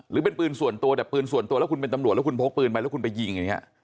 หรือเป็นปืนส่วนตัวแต่ปืนส่วนตัวแล้วคุณเป็นตำรวจแล้วคุณพกปืนไปแล้วคุณไปยิงอย่างนี้